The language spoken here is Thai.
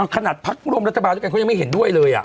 ขนาดพักร่วมรัฐบาลกันเขายังไม่เห็นด้วยเลยอะ